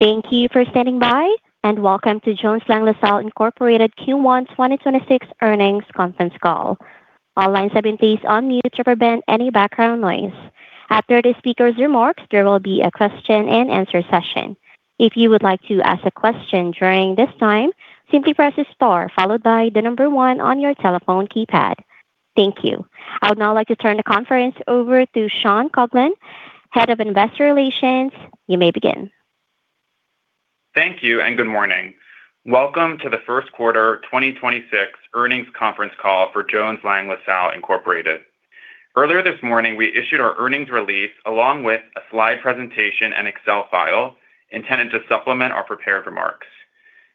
Thank you for standing by, and welcome to Jones Lang LaSalle Incorporated Q1 2026 earnings conference call. All lines have been placed on mute to prevent any background noise. After the speaker's remarks, there will be a question and answer session. If you would like to ask a question during this time, simply press star followed by the number one on your telephone keypad. Thank you. I would now like to turn the conference over to Sean Coghlan, Head of Investor Relations. You may begin. Thank you, and good morning. Welcome to the first quarter 2026 earnings conference call for Jones Lang LaSalle Incorporated. Earlier this morning, we issued our earnings release along with a slide presentation and Excel file intended to supplement our prepared remarks.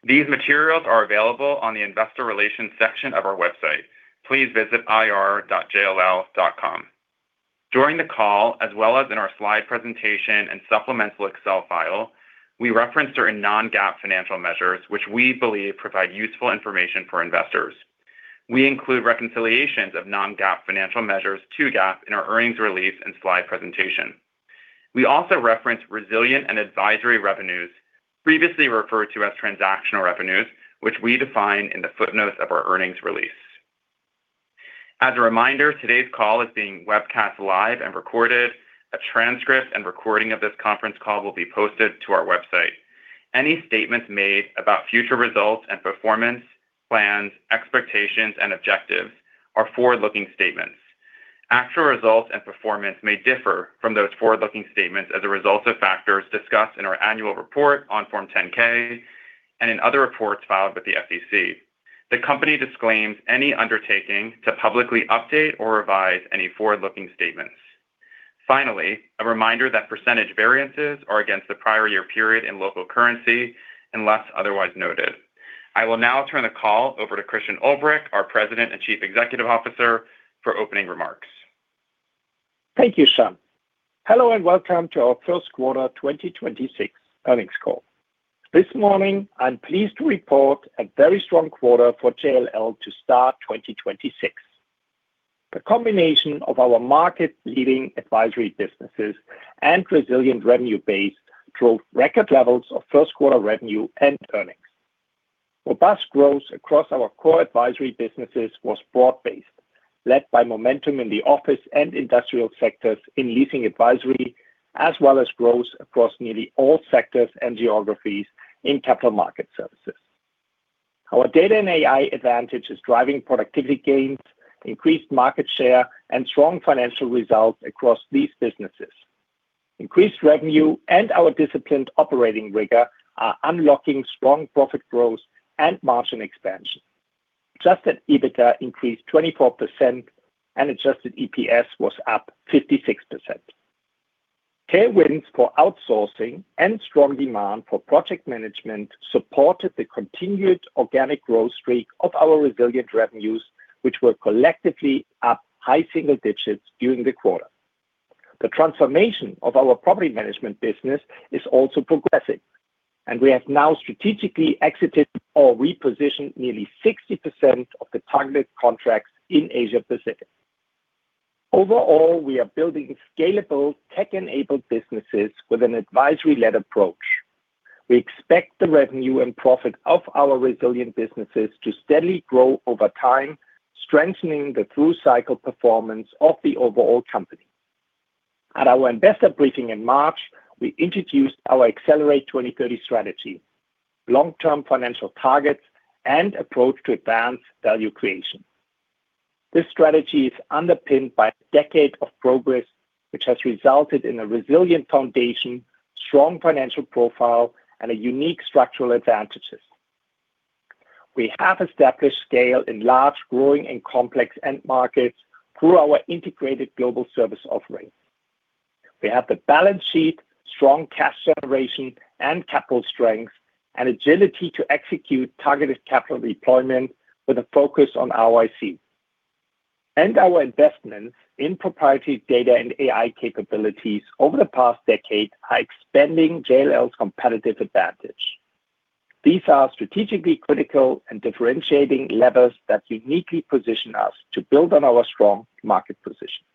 These materials are available on the investor relations section of our website. Please visit ir.jll.com. During the call, as well as in our slide presentation and supplemental Excel file, we reference certain non-GAAP financial measures, which we believe provide useful information for investors. We include reconciliations of non-GAAP financial measures to GAAP in our earnings release and slide presentation. We also reference resilient and advisory revenues previously referred to as transactional revenues, which we define in the footnotes of our earnings release. As a reminder, today's call is being webcast live and recorded. A transcript and recording of this conference call will be posted to our website. Any statements made about future results and performance, plans, expectations and objectives are forward-looking statements. Actual results and performance may differ from those forward-looking statements as a result of factors discussed in our annual report on Form 10-K and in other reports filed with the SEC. The company disclaims any undertaking to publicly update or revise any forward-looking statements. Finally, a reminder that percentage variances are against the prior year period in local currency, unless otherwise noted. I will now turn the call over to Christian Ulbrich, our President and Chief Executive Officer, for opening remarks. Thank you, Sean. Hello and welcome to our first quarter 2026 earnings call. This morning, I'm pleased to report a very strong quarter for JLL to start 2026. The combination of our market leading advisory businesses and resilient revenue base drove record levels of first quarter revenue and earnings. Robust growth across our core advisory businesses was broad-based, led by momentum in the office and industrial sectors in Leasing Advisory, as well as growth across nearly all sectors and geographies in capital market services. Our data and AI advantage is driving productivity gains, increased market share, and strong financial results across these businesses. Increased revenue and our disciplined operating rigor are unlocking strong profit growth and margin expansion. Adjusted EBITDA increased 24% and adjusted EPS was up 56%. Tailwinds for outsourcing and strong demand for project management supported the continued organic growth streak of our resilient revenues, which were collectively up high single digits during the quarter. The transformation of our property management business is also progressing, and we have now strategically exited or repositioned nearly 60% of the targeted contracts in Asia Pacific. Overall, we are building scalable tech-enabled businesses with an advisory-led approach. We expect the revenue and profit of our resilient businesses to steadily grow over time, strengthening the through cycle performance of the overall company. At our investor briefing in March, we introduced our Accelerate 2030 strategy, long-term financial targets and approach to advance value creation. This strategy is underpinned by a decade of progress, which has resulted in a resilient foundation, strong financial profile, and a unique structural advantages. We have established scale in large, growing and complex end markets through our integrated global service offering. We have the balance sheet, strong cash generation and capital strength and agility to execute targeted capital deployment with a focus on ROIC. Our investments in proprietary data and AI capabilities over the past decade are expanding JLL's competitive advantage. These are strategically critical and differentiating levers that uniquely position us to build on our strong market position.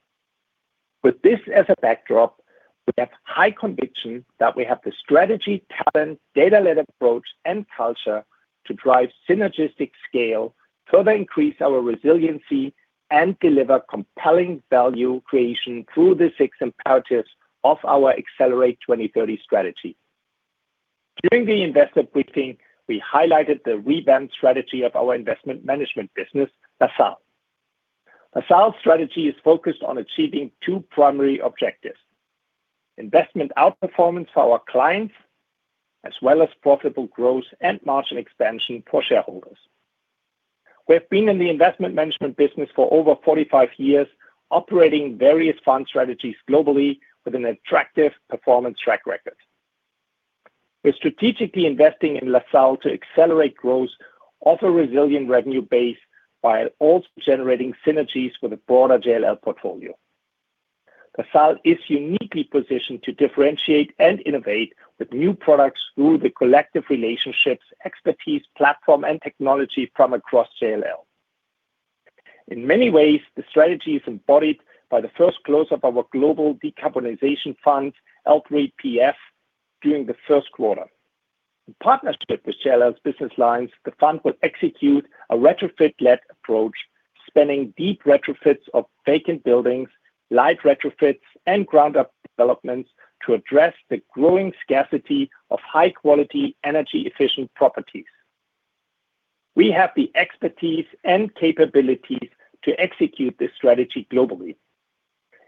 With this as a backdrop, we have high conviction that we have the strategy, talent, data led approach and culture to drive synergistic scale, further increase our resiliency and deliver compelling value creation through the six imperatives of our Accelerate 2030 strategy. During the investor briefing, we highlighted the revamped strategy of our investment management business, LaSalle. LaSalle's strategy is focused on achieving two primary objectives, investment outperformance for our clients, as well as profitable growth and margin expansion for shareholders. We have been in the investment management business for over 45 years, operating various fund strategies globally with an attractive performance track record. We're strategically investing in LaSalle to accelerate growth of a resilient revenue base while also generating synergies with a broader JLL portfolio. LaSalle is uniquely positioned to differentiate and innovate with new products through the collective relationships, expertise, platform, and technology from across JLL. In many ways, the strategy is embodied by the first close of our global decarbonization fund, Lp3F, during the first quarter. In partnership with JLL's business lines, the fund will execute a retrofit-led approach, spanning deep retrofits of vacant buildings, light retrofits, and ground-up developments to address the growing scarcity of high-quality, energy-efficient properties. We have the expertise and capabilities to execute this strategy globally,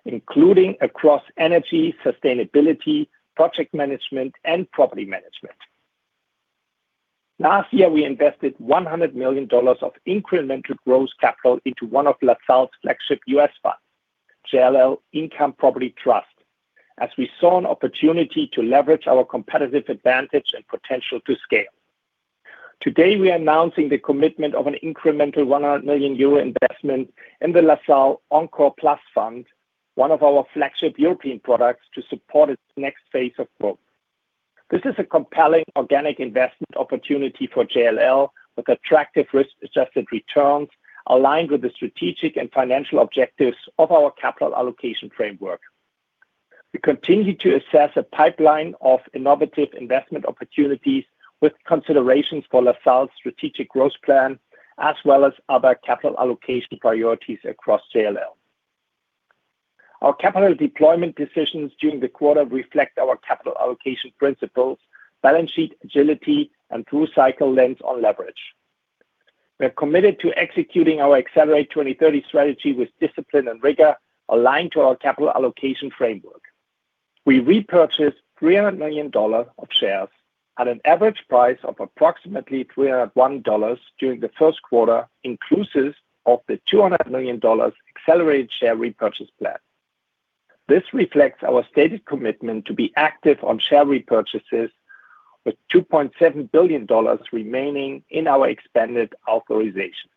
including across energy, sustainability, project management, and property management. Last year, we invested $100 million of incremental gross capital into one of LaSalle's flagship U.S. funds, JLL Income Property Trust, as we saw an opportunity to leverage our competitive advantage and potential to scale. Today, we are announcing the commitment of an incremental 100 million euro investment in the LaSalle Encore+ Fund, one of our flagship European products, to support its next phase of growth. This is a compelling organic investment opportunity for JLL with attractive risk-adjusted returns aligned with the strategic and financial objectives of our capital allocation framework. We continue to assess a pipeline of innovative investment opportunities with considerations for LaSalle's strategic growth plan as well as other capital allocation priorities across JLL. Our capital deployment decisions during the quarter reflect our capital allocation principles, balance sheet agility, and through-cycle lens on leverage. We are committed to executing our Accelerate 2030 strategy with discipline and rigor aligned to our capital allocation framework. We repurchased $300 million of shares at an average price of approximately $301 during the first quarter, inclusive of the $200 million accelerated share repurchase plan. This reflects our stated commitment to be active on share repurchases, with $2.7 billion remaining in our expanded authorization.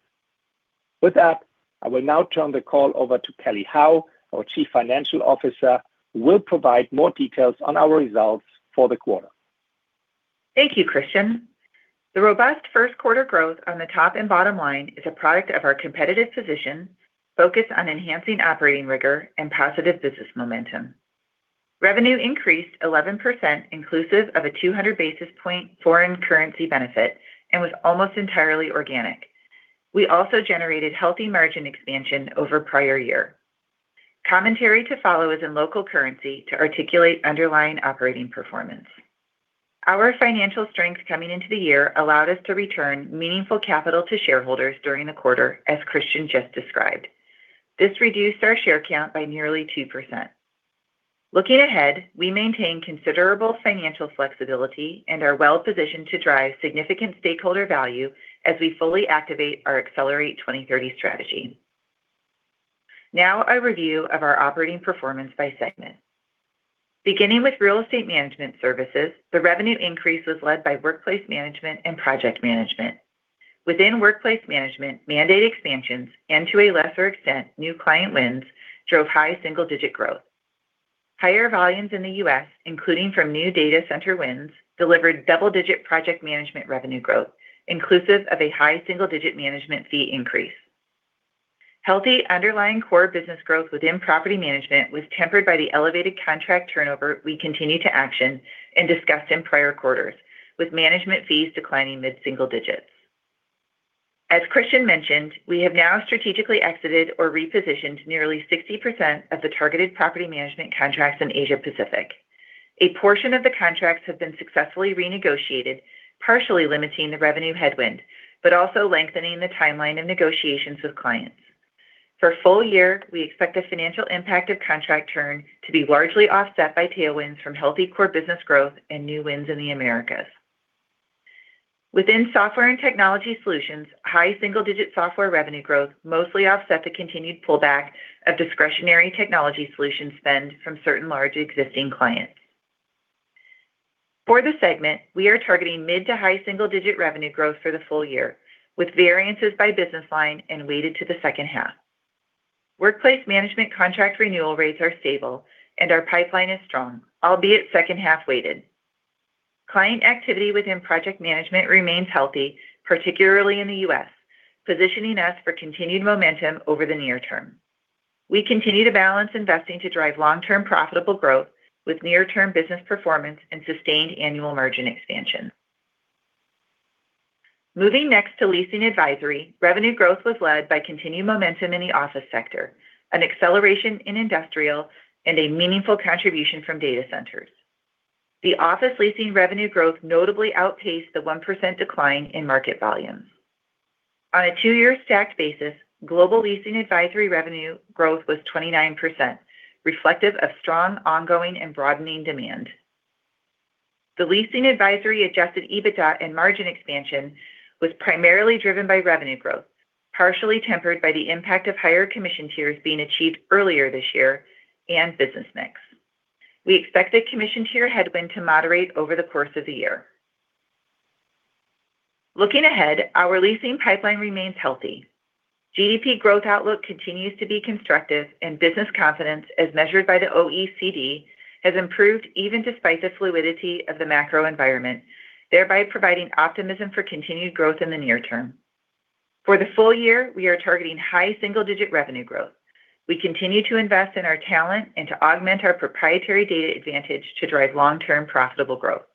With that, I will now turn the call over to Kelly Howe, our Chief Financial Officer, who will provide more details on our results for the quarter. Thank you, Christian. The robust first quarter growth on the top and bottom line is a product of our competitive position, focused on enhancing operating rigor and positive business momentum. Revenue increased 11% inclusive of a 200 basis point foreign currency benefit and was almost entirely organic. We also generated healthy margin expansion over prior year. Commentary to follow is in local currency to articulate underlying operating performance. Our financial strength coming into the year allowed us to return meaningful capital to shareholders during the quarter, as Christian just described. This reduced our share count by nearly 2%. Looking ahead, we maintain considerable financial flexibility and are well positioned to drive significant stakeholder value as we fully activate our Accelerate 2030 strategy. A review of our operating performance by segment. Beginning with Real Estate Management Services, the revenue increase was led by workplace management and project management. Within workplace management, mandate expansions, and to a lesser extent, new client wins, drove high single-digit growth. Higher volumes in the U.S., including from new data center wins, delivered double-digit project management revenue growth, inclusive of a high single-digit management fee increase. Healthy underlying core business growth within property management was tempered by the elevated contract turnover we continue to action and discussed in prior quarters, with management fees declining mid-single digits. As Christian mentioned, we have now strategically exited or repositioned nearly 60% of the targeted property management contracts in Asia Pacific. A portion of the contracts have been successfully renegotiated, partially limiting the revenue headwind, but also lengthening the timeline and negotiations with clients. For full year, we expect the financial impact of contract turn to be largely offset by tailwinds from healthy core business growth and new wins in the Americas. Within Software and Technology Solutions, high single-digit software revenue growth mostly offset the continued pullback of discretionary technology solution spend from certain large existing clients. For this segment, we are targeting mid to high single-digit revenue growth for the full year, with variances by business line and weighted to the second half. Workplace management contract renewal rates are stable and our pipeline is strong, albeit second half-weighted. Client activity within project management remains healthy, particularly in the U.S., positioning us for continued momentum over the near term. We continue to balance investing to drive long-term profitable growth with near-term business performance and sustained annual margin expansion. Moving next to Leasing Advisory, revenue growth was led by continued momentum in the office sector, an acceleration in industrial, and a meaningful contribution from data centers. The office leasing revenue growth notably outpaced the 1% decline in market volumes. On a two-year stacked basis, global Leasing Advisory revenue growth was 29%, reflective of strong, ongoing, and broadening demand. The Leasing Advisory adjusted EBITDA and margin expansion was primarily driven by revenue growth, partially tempered by the impact of higher commission tiers being achieved earlier this year and business mix. We expect a commission tier headwind to moderate over the course of the year. Looking ahead, our leasing pipeline remains healthy. GDP growth outlook continues to be constructive and business confidence, as measured by the OECD, has improved even despite the fluidity of the macro environment, thereby providing optimism for continued growth in the near term. For the full year, we are targeting high single-digit revenue growth. We continue to invest in our talent and to augment our proprietary data advantage to drive long-term profitable growth.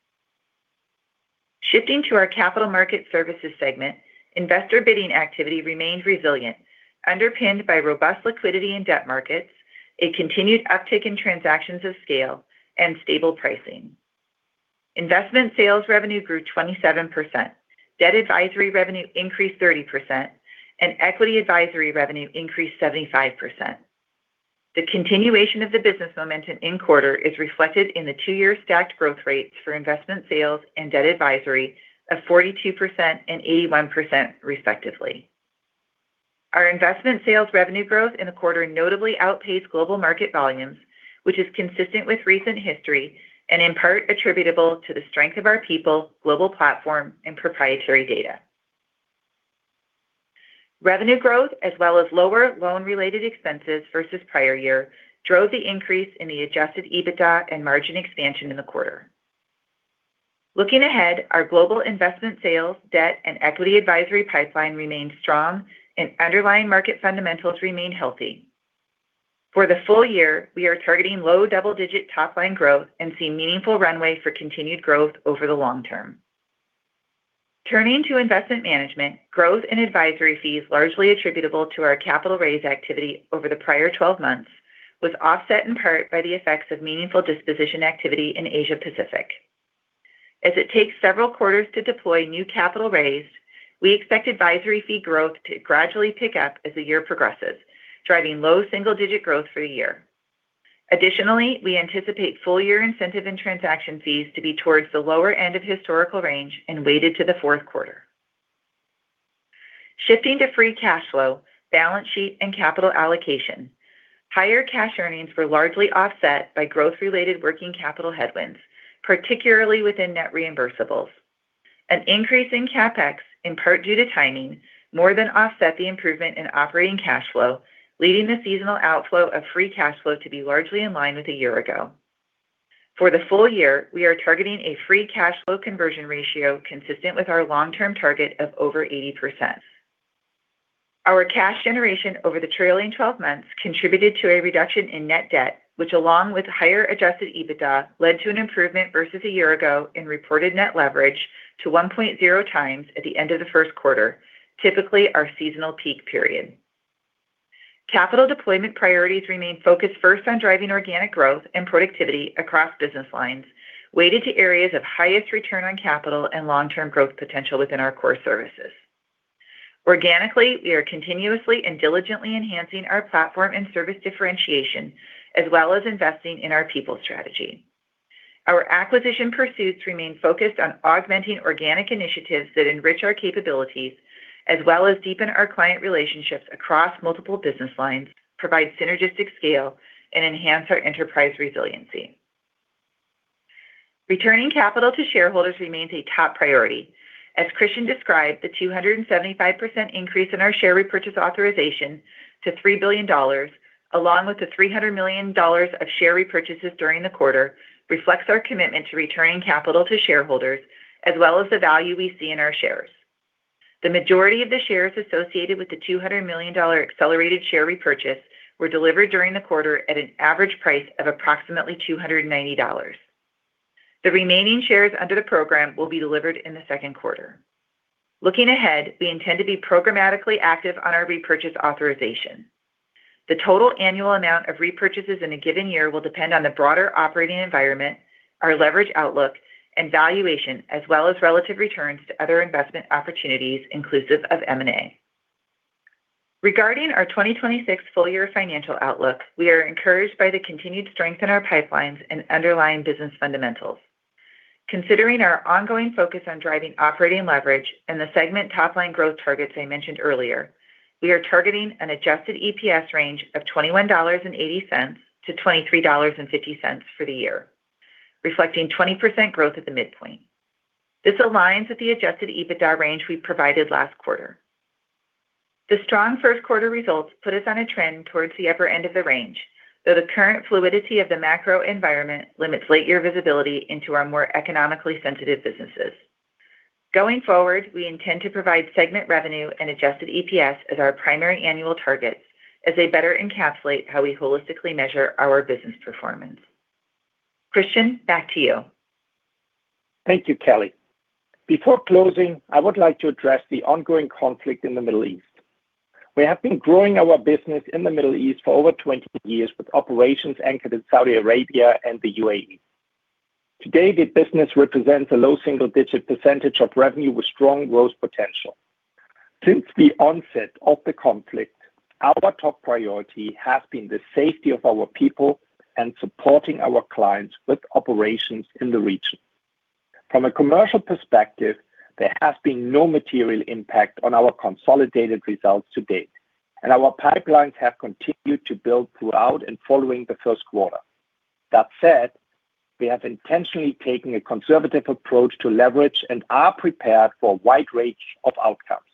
Shifting to our capital market services segment, investor bidding activity remained resilient. Underpinned by robust liquidity in debt markets, a continued uptick in transactions of scale, and stable pricing. Investment sales revenue grew 27%, debt advisory revenue increased 30%, and equity advisory revenue increased 75%. The continuation of the business momentum in quarter is reflected in the two-year stacked growth rates for investment sales and debt advisory of 42% and 81% respectively. Our investment sales revenue growth in the quarter notably outpaced global market volumes, which is consistent with recent history and in part attributable to the strength of our people, global platform, and proprietary data. Revenue growth, as well as lower loan-related expenses versus prior year, drove the increase in the adjusted EBITDA and margin expansion in the quarter. Looking ahead, our global investment sales, debt, and equity advisory pipeline remain strong and underlying market fundamentals remain healthy. For the full year, we are targeting low double-digit top-line growth and see meaningful runway for continued growth over the long term. Turning to investment management, growth in advisory fees largely attributable to our capital raise activity over the prior 12 months was offset in part by the effects of meaningful disposition activity in Asia Pacific. As it takes several quarters to deploy new capital raised, we expect advisory fee growth to gradually pick up as the year progresses, driving low single-digit growth for the year. Additionally, we anticipate full year incentive and transaction fees to be towards the lower end of historical range and weighted to the fourth quarter. Shifting to free cash flow, balance sheet, and capital allocation. Higher cash earnings were largely offset by growth-related working capital headwinds, particularly within net reimbursables. An increase in CapEx, in part due to timing, more than offset the improvement in operating cash flow, leading the seasonal outflow of free cash flow to be largely in line with a year ago. For the full year, we are targeting a free cash flow conversion ratio consistent with our long-term target of over 80%. Our cash generation over the trailing 12 months contributed to a reduction in net debt, which along with higher adjusted EBITDA, led to an improvement versus a year ago in reported net leverage to 1.0x at the end of the first quarter, typically our seasonal peak period. Capital deployment priorities remain focused first on driving organic growth and productivity across business lines, weighted to areas of highest return on capital and long-term growth potential within our core services. Organically, we are continuously and diligently enhancing our platform and service differentiation, as well as investing in our people strategy. Our acquisition pursuits remain focused on augmenting organic initiatives that enrich our capabilities as well as deepen our client relationships across multiple business lines, provide synergistic scale, and enhance our enterprise resiliency. Returning capital to shareholders remains a top priority. As Christian described, the 275% increase in our share repurchase authorization to $3 billion, along with the $300 million of share repurchases during the quarter, reflects our commitment to returning capital to shareholders, as well as the value we see in our shares. The majority of the shares associated with the $200 million accelerated share repurchase were delivered during the quarter at an average price of approximately $290. The remaining shares under the program will be delivered in the second quarter. Looking ahead, we intend to be programmatically active on our repurchase authorization. The total annual amount of repurchases in a given year will depend on the broader operating environment, our leverage outlook, and valuation, as well as relative returns to other investment opportunities inclusive of M&A. Regarding our 2026 full year financial outlook, we are encouraged by the continued strength in our pipelines and underlying business fundamentals. Considering our ongoing focus on driving operating leverage and the segment top-line growth targets I mentioned earlier, we are targeting an adjusted EPS range of $21.80-$23.50 for the year, reflecting 20% growth at the midpoint. This aligns with the adjusted EBITDA range we provided last quarter. The strong first quarter results put us on a trend towards the upper end of the range, though the current fluidity of the macro environment limits late year visibility into our more economically sensitive businesses. Going forward, we intend to provide segment revenue and adjusted EPS as our primary annual targets as they better encapsulate how we holistically measure our business performance. Christian, back to you. Thank you, Kelly. Before closing, I would like to address the ongoing conflict in the Middle East. We have been growing our business in the Middle East for over 20 years with operations anchored in Saudi Arabia and the UAE. Today, the business represents a low single-digit percentage of revenue with strong growth potential. Since the onset of the conflict, our top priority has been the safety of our people and supporting our clients with operations in the region. From a commercial perspective, there has been no material impact on our consolidated results to date, and our pipelines have continued to build throughout and following the first quarter. We have intentionally taken a conservative approach to leverage and are prepared for a wide range of outcomes.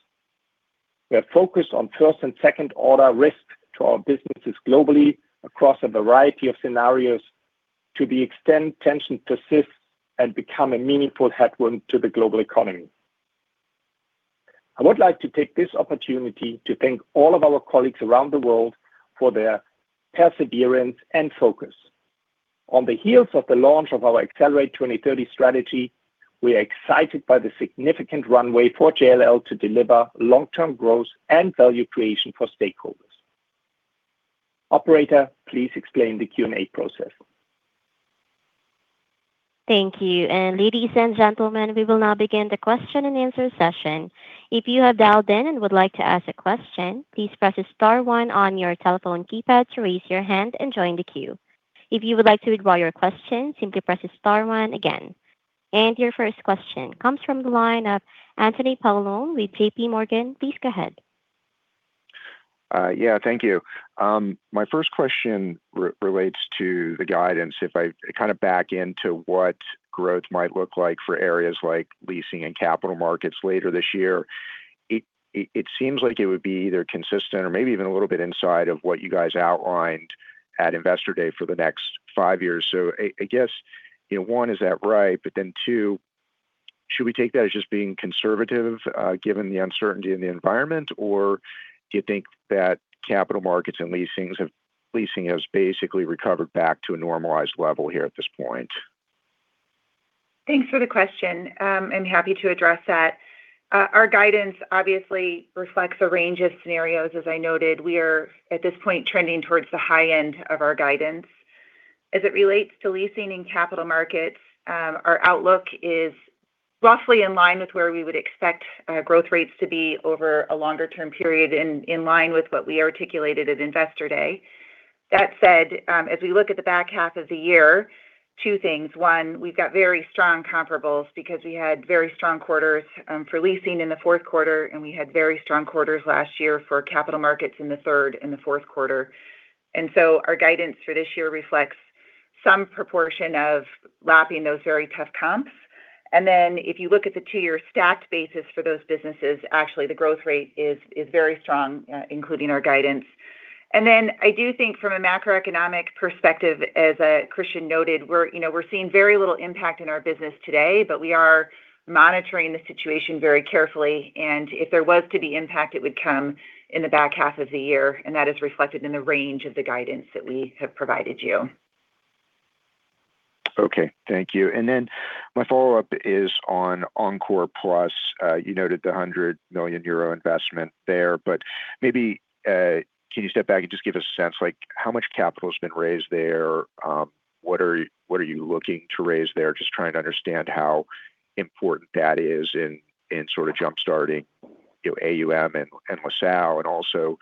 We are focused on first and second order risk to our businesses globally across a variety of scenarios. To the extent tension persists and becomes a meaningful headwind to the global economy, I would like to take this opportunity to thank all of our colleagues around the world for their perseverance and focus. On the heels of the launch of our Accelerate 2030 strategy, we are excited by the significant runway for JLL to deliver long-term growth and value creation for stakeholders. Operator, please explain the Q&A process. Thank you. Ladies and gentlemen, we will now begin the question and answer session. If you have dialed in and would like to ask a question, please press star one on your telephone keypad to raise your hand and join the queue. If you would like to withdraw your question, simply press star one again. Your first question comes from the line of Anthony Paolone with JPMorgan. Please go ahead. Yeah, thank you. My first question relates to the guidance. If I kind of back into what growth might look like for areas like leasing and capital markets later this year, it seems like it would be either consistent or maybe even a little bit inside of what you guys outlined at Investor Day for the next five years. I guess, you know, one, is that right? Two, should we take that as just being conservative, given the uncertainty in the environment? Or do you think that capital markets and leasing has basically recovered back to a normalized level here at this point? Thanks for the question. I'm happy to address that. Our guidance obviously reflects a range of scenarios. As I noted, we are, at this point, trending towards the high end of our guidance. As it relates to leasing and capital markets, our outlook is roughly in line with where we would expect growth rates to be over a longer-term period in line with what we articulated at Investor Day. That said, as we look at the back half of the year, two things. One, we've got very strong comparables because we had very strong quarters for leasing in the fourth quarter, and we had very strong quarters last year for capital markets in the third and the fourth quarter. Our guidance for this year reflects some proportion of lapping those very tough comps. If you look at the two-year stacked basis for those businesses, actually the growth rate is very strong, including our guidance. I do think from a macroeconomic perspective, as Christian noted, you know, we're seeing very little impact in our business today, but we are monitoring the situation very carefully. If there was to be impact, it would come in the back half of the year, and that is reflected in the range of the guidance that we have provided you. Okay. Thank you. My follow-up is on Encore+. You noted the 100 million euro investment there, maybe can you step back and just give us a sense, like how much capital has been raised there? What are you looking to raise there? Just trying to understand how important that is in sort of jump-starting, you know, AUM and LaSalle and also,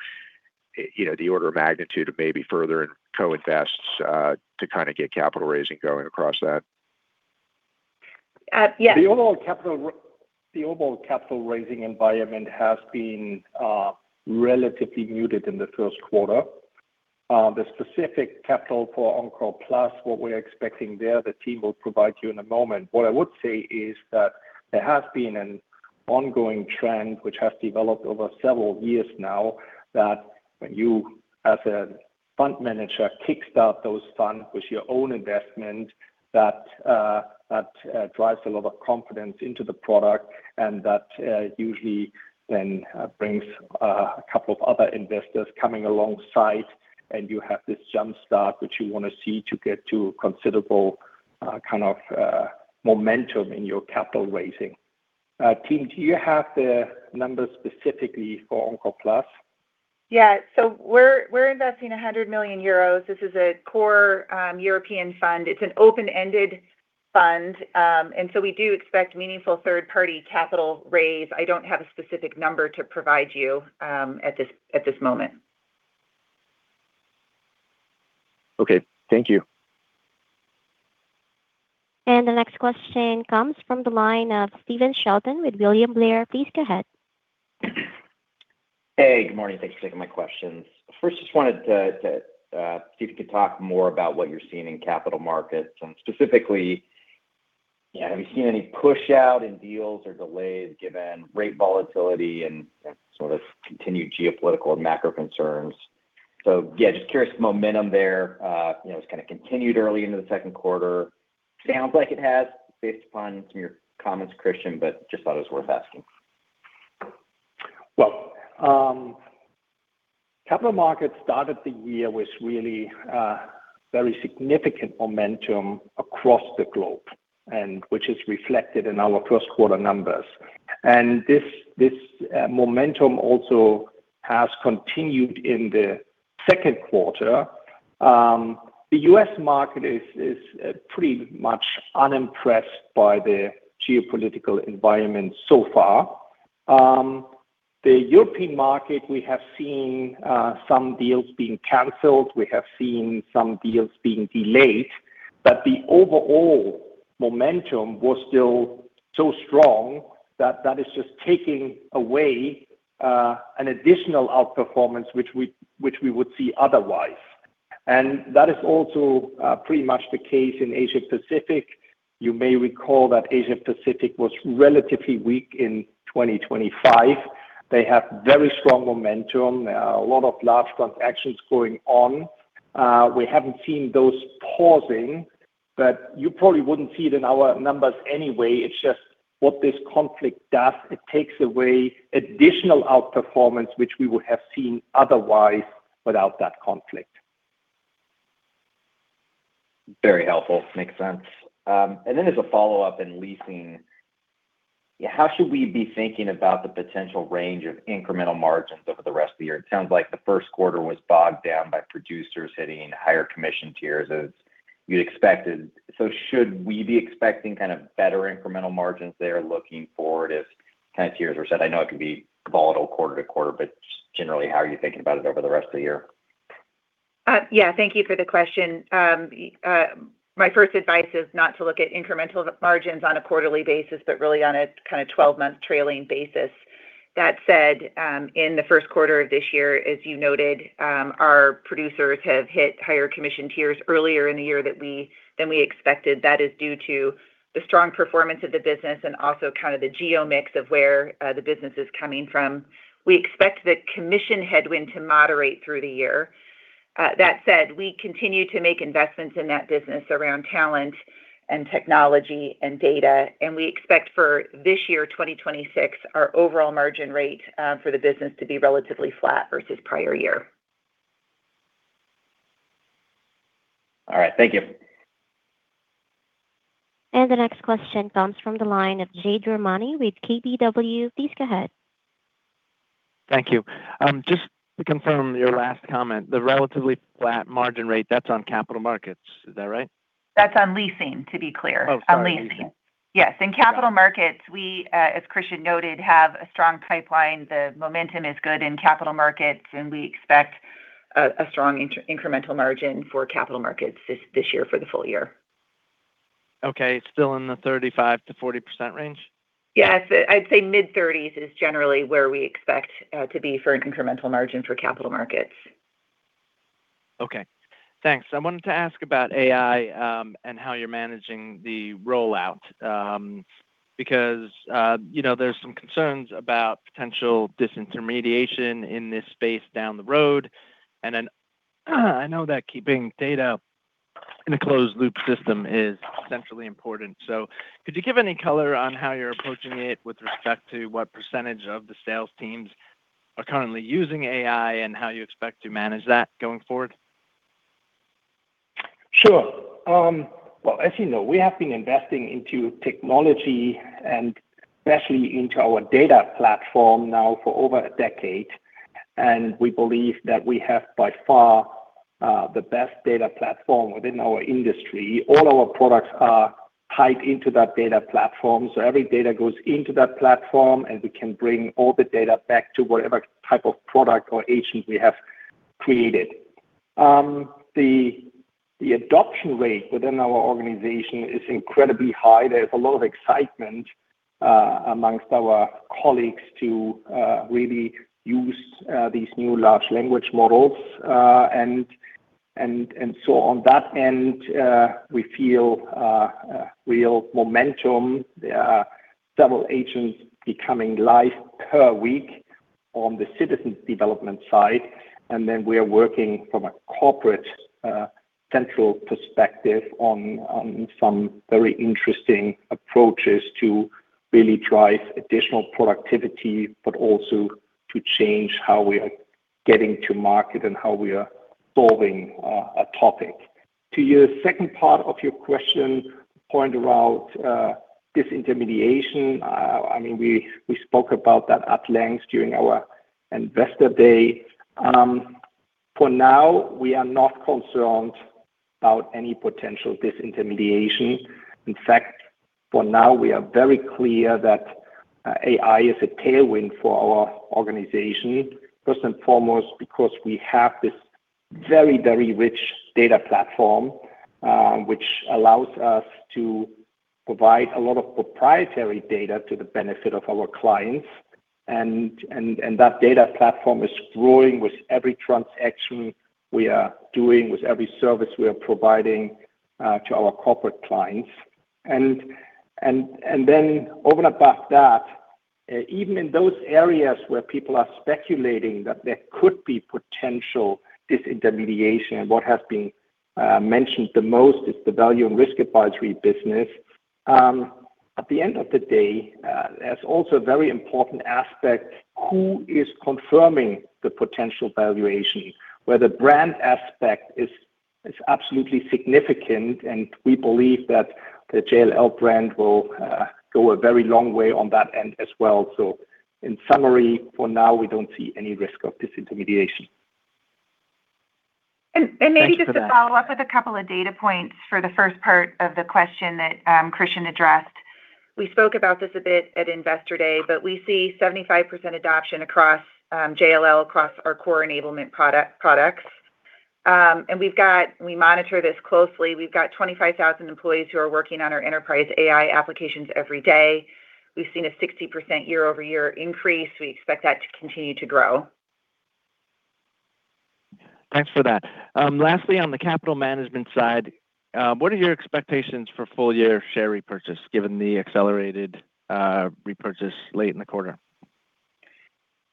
you know, the order of magnitude of maybe further co-invest to kind of get capital raising going across that. Yes. The overall capital raising environment has been relatively muted in the 1st quarter. The specific capital for Encore+, what we're expecting there, the team will provide you in a moment. What I would say is that there has been an ongoing trend which has developed over several years now, that you as a fund manager, kickstart those funds with your own investment that drives a lot of confidence into the product and that usually then brings a couple of other investors coming alongside. You have this jumpstart which you wanna see to get to considerable kind of momentum in your capital raising. Team, do you have the numbers specifically for Encore+? Yeah. We're investing 100 million euros. This is a core European fund. It's an open-ended fund. We do expect meaningful third-party capital raise. I don't have a specific number to provide you at this moment. Okay. Thank you. The next question comes from the line of Stephen Sheldon with William Blair. Please go ahead. Hey, good morning. Thanks for taking my questions. First, just wanted to see if you could talk more about what you're seeing in capital markets. Specifically, you know, have you seen any push out in deals or delays given rate volatility and sort of continued geopolitical and macro concerns? Yeah, just curious the momentum there, you know, it's kind of continued early into the second quarter. Sounds like it has based upon some of your comments, Christian, but just thought it was worth asking. Capital markets started the year with really very significant momentum across the globe, and which is reflected in our first quarter numbers. This, this momentum also has continued in the second quarter. The U.S. market is pretty much unimpressed by the geopolitical environment so far. The European market, we have seen some deals being canceled. We have seen some deals being delayed, but the overall momentum was still so strong that that is just taking away an additional outperformance, which we would see otherwise. That is also pretty much the case in Asia Pacific. You may recall that Asia Pacific was relatively weak in 2025. They have very strong momentum. A lot of large transactions going on. We haven't seen those pausing, but you probably wouldn't see it in our numbers anyway. It's just what this conflict does, it takes away additional outperformance, which we would have seen otherwise without that conflict. Very helpful. Makes sense. As a follow-up in leasing, how should we be thinking about the potential range of incremental margins over the rest of the year? It sounds like the first quarter was bogged down by producers hitting higher commission tiers as you'd expected. Should we be expecting kind of better incremental margins there looking forward if kind of tiers were set? I know it can be volatile quarter to quarter, but just generally, how are you thinking about it over the rest of the year? Yeah. Thank you for the question. My first advice is not to look at incremental margins on a quarterly basis, but really on a kinda 12-month trailing basis. That said, in the 1st quarter of this year, as you noted, our producers have hit higher commission tiers earlier in the year than we expected. That is due to the strong performance of the business and also kind of the geo mix of where the business is coming from. We expect the commission headwind to moderate through the year. That said, we continue to make investments in that business around talent and technology and data. We expect for this year, 2026, our overall margin rate for the business to be relatively flat versus prior year. All right. Thank you. The next question comes from the line of Jade Rahmani with KBW. Please go ahead. Thank you. Just to confirm your last comment, the relatively flat margin rate, that's on capital markets. Is that right? That's on leasing, to be clear. Oh, sorry. Leasing. On leasing. Yes. In capital markets, we, as Christian noted, have a strong pipeline. The momentum is good in capital markets, and we expect a strong incremental margin for capital markets this year for the full year. Okay. It's still in the 35%-40% range? Yes. I'd say mid-30s is generally where we expect to be for an incremental margin for capital markets. Okay. Thanks. I wanted to ask about AI and how you're managing the rollout. You know, there's some concerns about potential disintermediation in this space down the road. I know that keeping data in a closed loop system is centrally important. Could you give any color on how you're approaching it with respect to what percentage of the sales teams are currently using AI and how you expect to manage that going forward? Sure. Well, as you know, we have been investing into technology and especially into our data platform now for over a decade. We believe that we have by far the best data platform within our industry. All our products are tied into that data platform. Every data goes into that platform, and we can bring all the data back to whatever type of product or agent we have created. The adoption rate within our organization is incredibly high. There's a lot of excitement amongst our colleagues to really use these new large language models, and so on that end, we feel real momentum. There are several agents becoming live per week on the citizen development side. We are working from a corporate, central perspective on some very interesting approaches to really drive additional productivity, but also to change how we are getting to market and how we are solving a topic. To your second part of your question, point about disintermediation. I mean, we spoke about that at length during our Investor Day. For now, we are not concerned about any potential disintermediation. In fact, for now, we are very clear that AI is a tailwind for our organization, first and foremost, because we have this very rich data platform, which allows us to provide a lot of proprietary data to the benefit of our clients. That data platform is growing with every transaction we are doing, with every service we are providing to our corporate clients. Over and above that, even in those areas where people are speculating that there could be potential disintermediation, and what has been mentioned the most is the value and risk advisory business. At the end of the day, there's also a very important aspect who is confirming the potential valuation, where the brand aspect is absolutely significant, and we believe that the JLL brand will go a very long way on that end as well. In summary, for now, we don't see any risk of disintermediation. Thanks for that. Maybe just to follow up with a couple of data points for the first part of the question that Christian addressed. We spoke about this a bit at Investor Day, but we see 75% adoption across JLL, across our core enablement product, products. We monitor this closely. We've got 25,000 employees who are working on our enterprise AI applications every day. We've seen a 60% year-over-year increase. We expect that to continue to grow. Thanks for that. Lastly, on the capital management side, what are your expectations for full year share repurchase given the accelerated repurchase late in the quarter?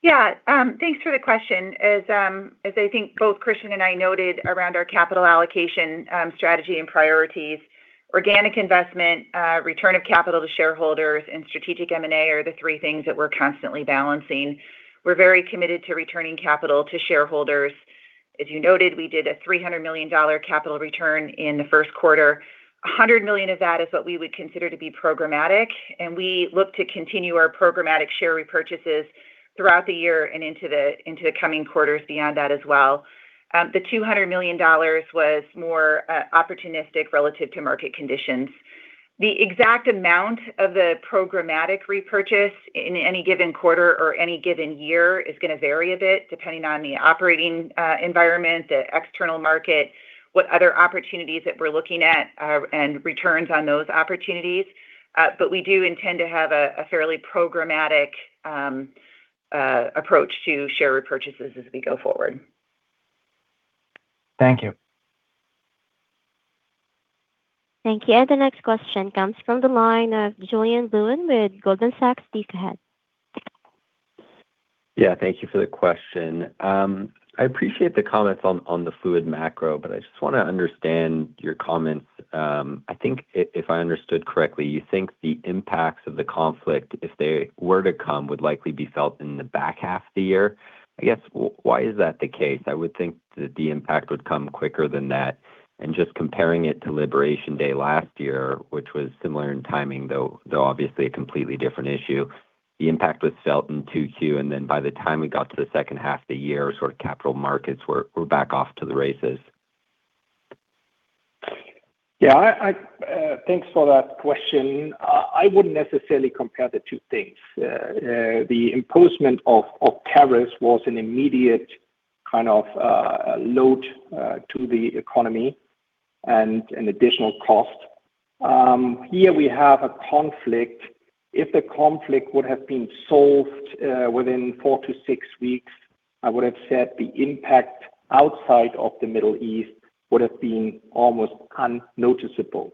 Thanks for the question. As, as I think both Christian and I noted around our capital allocation, strategy and priorities, organic investment, return of capital to shareholders and strategic M&A are the three things that we're constantly balancing. We're very committed to returning capital to shareholders. As you noted, we did a $300 million capital return in the first quarter. $100 million of that is what we would consider to be programmatic, and we look to continue our programmatic share repurchases throughout the year and into the coming quarters beyond that as well. The $200 million was more opportunistic relative to market conditions. The exact amount of the programmatic repurchase in any given quarter or any given year is gonna vary a bit depending on the operating environment, the external market, what other opportunities that we're looking at, and returns on those opportunities. We do intend to have a fairly programmatic approach to share repurchases as we go forward. Thank you. Thank you. The next question comes from the line of Julien Blouin with Goldman Sachs. Please go ahead. Yeah, thank you for the question. I appreciate the comments on the fluid macro, I just want to understand your comments. I think if I understood correctly, you think the impacts of the conflict, if they were to come, would likely be felt in the back half of the year. I guess, why is that the case? I would think that the impact would come quicker than that. Just comparing it to Liberation Day last year, which was similar in timing, though obviously a completely different issue, the impact was felt in Q2, then by the time we got to the second half of the year, sort of capital markets were back off to the races. Thanks for that question. I wouldn't necessarily compare the two things. The imposition of tariffs was an immediate kind of load to the economy and an additional cost. Here we have a conflict. If the conflict would have been solved within four to six weeks, I would have said the impact outside of the Middle East would have been almost unnoticeable.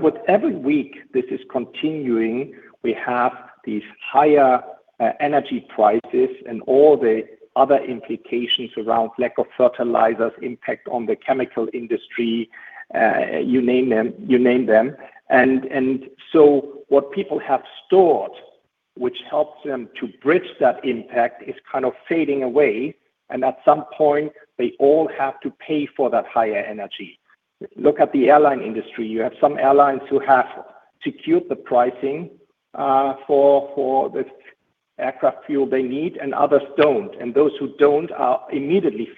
With every week this is continuing, we have these higher energy prices and all the other implications around lack of fertilizers, impact on the chemical industry, you name them, you name them. What people have stored, which helps them to bridge that impact, is kind of fading away. At some point, they all have to pay for that higher energy. Look at the airline industry. You have some airlines who have to cube the pricing for the aircraft fuel they need, and others don't. Those who don't are immediately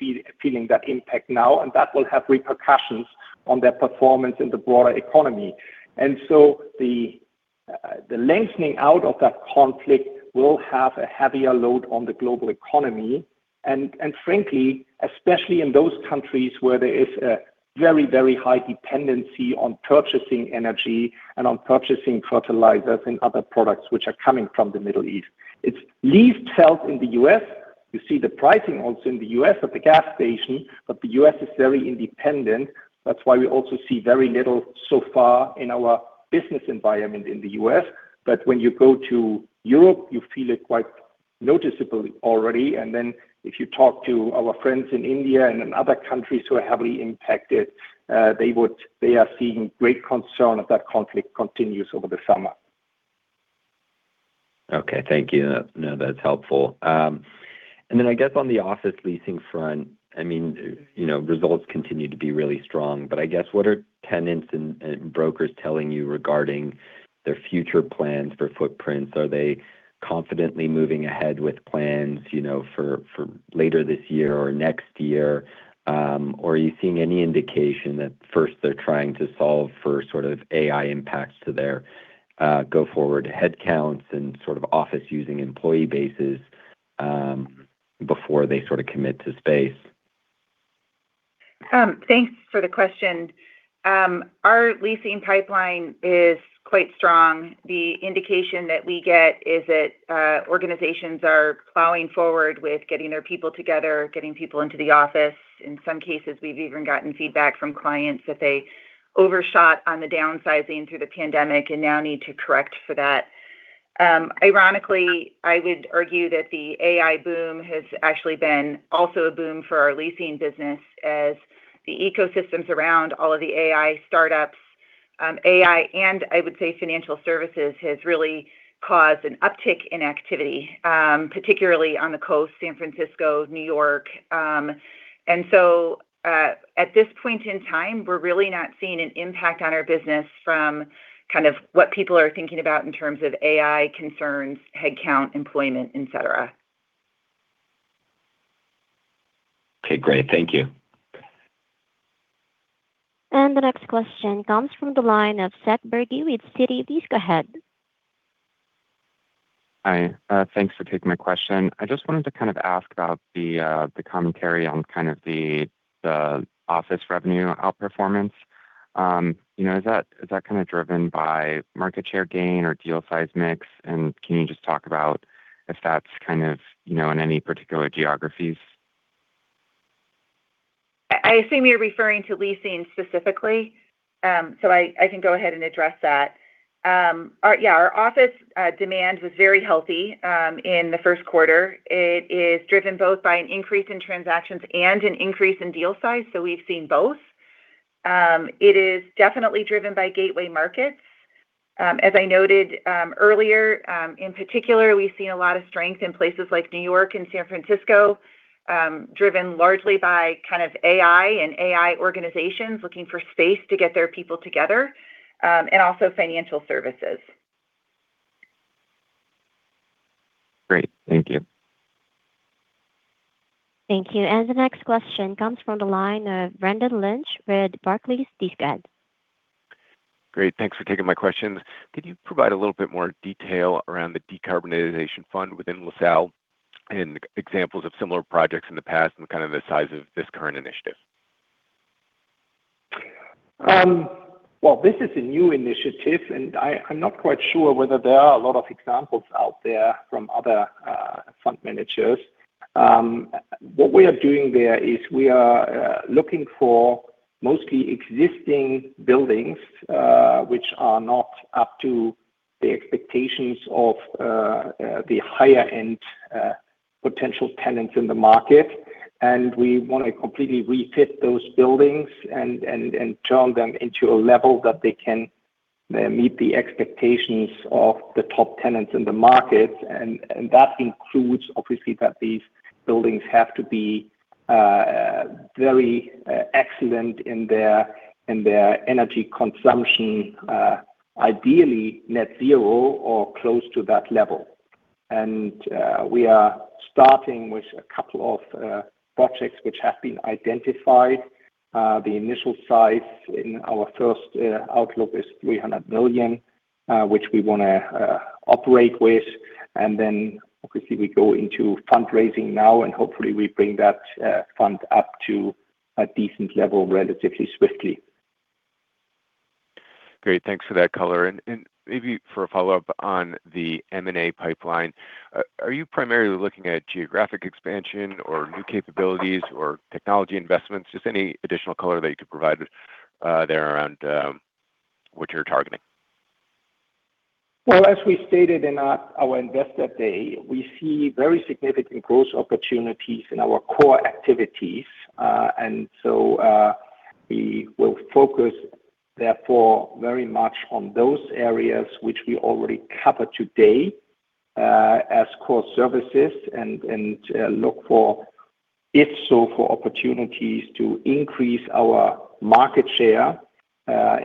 feeling that impact now, and that will have repercussions on their performance in the broader economy. The lengthening out of that conflict will have a heavier load on the global economy, and frankly, especially in those countries where there is a very, very high dependency on purchasing energy and on purchasing fertilizers and other products which are coming from the Middle East. It's least felt in the U.S. You see the pricing also in the U.S. at the gas station, the U.S. is very independent. That's why we also see very little so far in our business environment in the U.S. When you go to Europe, you feel it quite noticeably already. If you talk to our friends in India and in other countries who are heavily impacted, they are seeing great concern if that conflict continues over the summer. Okay. Thank you. No, that's helpful. Then I guess on the office leasing front, I mean, you know, results continue to be really strong, but I guess what are tenants and brokers telling you regarding their future plans for footprints? Are they confidently moving ahead with plans, you know, for later this year or next year? Are you seeing any indication that first they're trying to solve for sort of AI impacts to their go-forward headcounts and sort of office using employee bases before they sort of commit to space? Thanks for the question. Our leasing pipeline is quite strong. The indication that we get is that organizations are plowing forward with getting their people together, getting people into the office. In some cases, we've even gotten feedback from clients that they overshot on the downsizing through the pandemic and now need to correct for that. Ironically, I would argue that the AI boom has actually been also a boom for our leasing business as the ecosystems around all of the AI startups, AI and I would say financial services, has really caused an uptick in activity, particularly on the coast, San Francisco, New York. At this point in time, we're really not seeing an impact on our business from kind of what people are thinking about in terms of AI concerns, headcount, employment, et cetera. Okay. Great. Thank you. The next question comes from the line of Seth Bergey with Citi. Please go ahead. Hi. Thanks for taking my question. I just wanted to kind of ask about the commentary on kind of the office revenue outperformance. You know, is that kind of driven by market share gain or deal size mix? Can you just talk about if that's kind of, you know, in any particular geographies? I assume you're referring to leasing specifically. I can go ahead and address that. Yeah, our office demand was very healthy in the first quarter. It is driven both by an increase in transactions and an increase in deal size. We've seen both. It is definitely driven by gateway markets. As I noted earlier, in particular, we've seen a lot of strength in places like New York and San Francisco, driven largely by kind of AI and AI organizations looking for space to get their people together, and also financial services. Great. Thank you. Thank you. The next question comes from the line of Brendan Lynch with Barclays. Please go ahead. Great. Thanks for taking my question. Could you provide a little bit more detail around the decarbonization fund within LaSalle and examples of similar projects in the past and kind of the size of this current initiative? Well, this is a new initiative, and I'm not quite sure whether there are a lot of examples out there from other fund managers. What we are doing there is we are looking for mostly existing buildings, which are not up to the expectations of the higher-end potential tenants in the market. We wanna completely refit those buildings and turn them into a level that they can meet the expectations of the top tenants in the market. That includes obviously that these buildings have to be very excellent in their energy consumption, ideally net zero or close to that level. We are starting with a couple of projects which have been identified. The initial size in our first outlook is $300 million, which we wanna operate with. Obviously we go into fundraising now, and hopefully we bring that fund up to a decent level relatively swiftly. Great. Thanks for that color. Maybe for a follow-up on the M&A pipeline, are you primarily looking at geographic expansion or new capabilities or technology investments? Just any additional color that you could provide there around what you're targeting. Well, as we stated in our investor day, we see very significant growth opportunities in our core activities. We will focus therefore very much on those areas which we already cover today as core services and look for, if so, for opportunities to increase our market share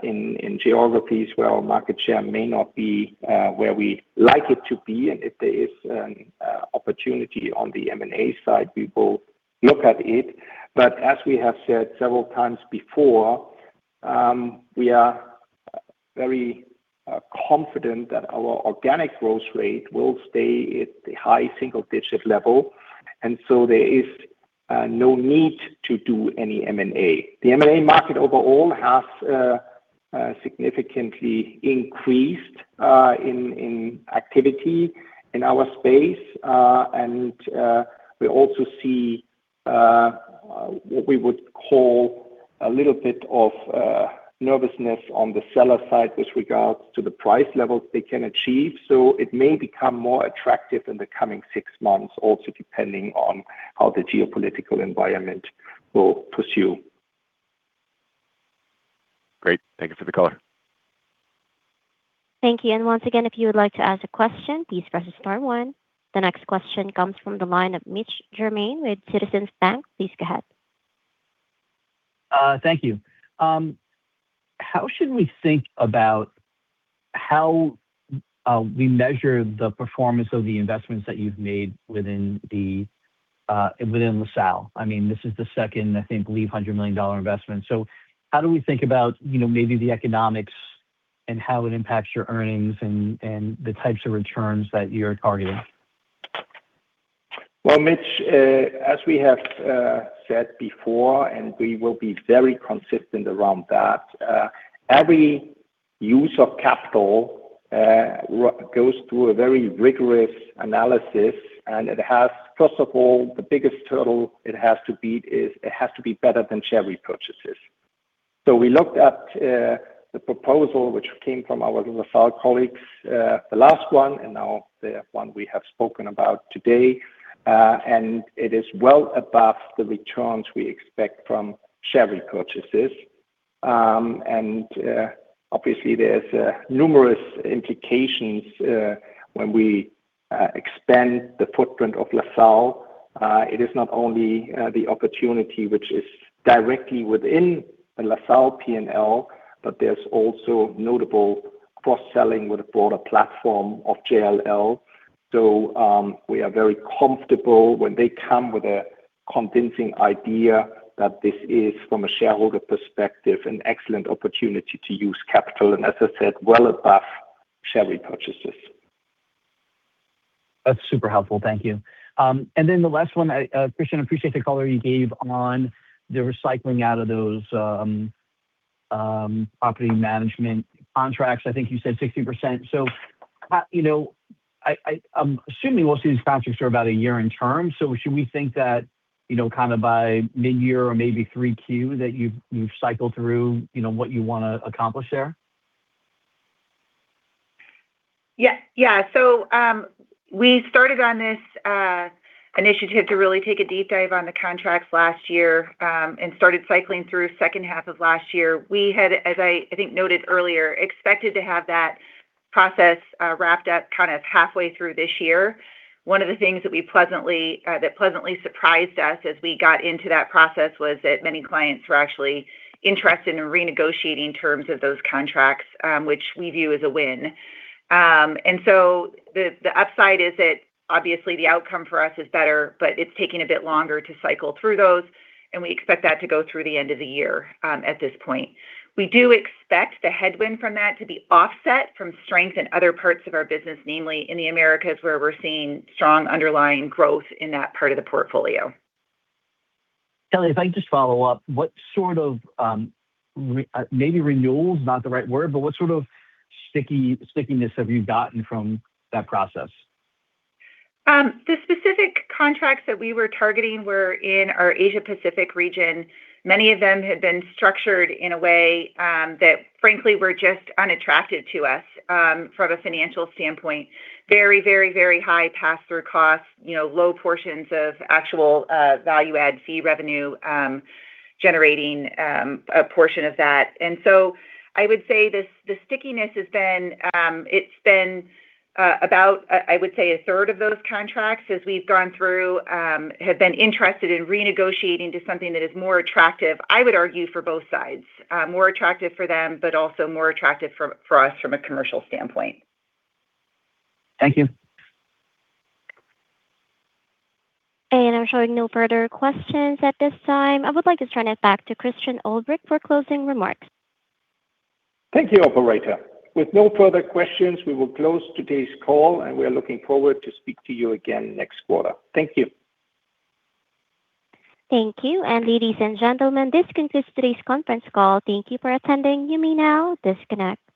in geographies where our market share may not be where we'd like it to be. If there is an opportunity on the M&A side, we will look at it. As we have said several times before, we are very confident that our organic growth rate will stay at the high single digit level. There is no need to do any M&A. The M&A market overall has significantly increased in activity in our space. We also see, what we would call a little bit of nervousness on the seller side with regards to the price levels they can achieve. It may become more attractive in the coming six months, also depending on how the geopolitical environment will pursue. Great. Thank you for the color. Thank you. Once again, if you would like to ask a question, please press star one. The next question comes from the line of Mitch Germain with Citizens Capital Markets and Advisory. Please go ahead. Thank you. How should we think about how we measure the performance of the investments that you've made within the within LaSalle? I mean, this is the second, I think, believe $100 million investment. How do we think about, you know, maybe the economics and how it impacts your earnings and the types of returns that you're targeting? Mitch, as we have said before, we will be very consistent around that. Every use of capital goes through a very rigorous analysis. First of all, the biggest hurdle it has to beat is it has to be better than share repurchases. We looked at the proposal which came from our LaSalle colleagues, the last one and now the one we have spoken about today. It is well above the returns we expect from share repurchases. Obviously there's numerous implications when we expand the footprint of LaSalle. It is not only the opportunity which is directly within the LaSalle P&L, there's also notable cross-selling with the broader platform of JLL. We are very comfortable when they come with a convincing idea that this is, from a shareholder perspective, an excellent opportunity to use capital and as I said, well above share repurchases. That's super helpful. Thank you. And then the last one, Christian, appreciate the color you gave on the recycling out of those property management contracts. I think you said 60%. So, you know, I'm assuming we'll see these contracts are about a year in term. So should we think that, you know, kind of by mid-year or maybe 3Q that you've cycled through, you know, what you wanna accomplish there? Yeah. Yeah. We started on this initiative to really take a deep dive on the contracts last year, and started cycling through second half of last year. We had, as I think noted earlier, expected to have that process wrapped up kind of halfway through this year. One of the things that pleasantly surprised us as we got into that process was that many clients were actually interested in renegotiating terms of those contracts, which we view as a win. The upside is that obviously the outcome for us is better, but it's taking a bit longer to cycle through those, and we expect that to go through the end of the year at this point. We do expect the headwind from that to be offset from strength in other parts of our business, namely in the Americas, where we're seeing strong underlying growth in that part of the portfolio. Kelly, if I can just follow up. What sort of, maybe renewal is not the right word, but what sort of stickiness have you gotten from that process? The specific contracts that we were targeting were in our Asia Pacific region. Many of them had been structured in a way that frankly were just unattractive to us from a financial standpoint. Very, very, very high pass through costs, you know, low portions of actual value add fee revenue, generating a portion of that. I would say the stickiness has been, it's been about, I would say a third of those contracts as we've gone through, have been interested in renegotiating to something that is more attractive, I would argue for both sides. More attractive for them, but also more attractive for us from a commercial standpoint. Thank you. I'm showing no further questions at this time. I would like to turn it back to Christian Ulbrich for closing remarks. Thank you, operator. With no further questions, we will close today's call, and we are looking forward to speak to you again next quarter. Thank you. Thank you. Ladies and gentlemen, this concludes today's conference call. Thank you for attending. You may now disconnect.